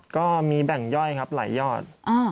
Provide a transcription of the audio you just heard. ก็มีแบ่งย่อยครับหลายยอด